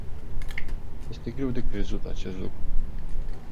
Este greu de crezut acest lucru.